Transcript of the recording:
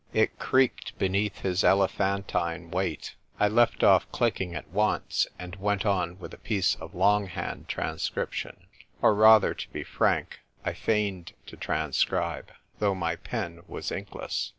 It creaked beneath his elephantine weight. I left off clicking at once, and went on with a piece of long hand transcription. Or rather, to be frank, I feigned to transcribe, though my pen was inkless.